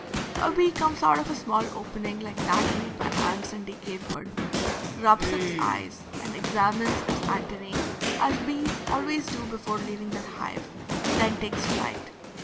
A bee comes out of a small opening, like that made by ants in decayed wood, rubs its eyes and examines its antennae as bees always do before leaving their hive, then takes flight.